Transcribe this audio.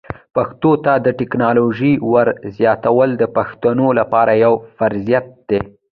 پښتو ته د ټکنالوژۍ ور زیاتول د پښتنو لپاره یو فرصت دی.